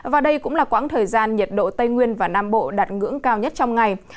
và đây cũng là quãng thời gian nhiệt độ tây nguyên và nam bộ đạt ngưỡng cao nhất trong ngày